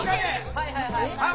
はいはいはいはい。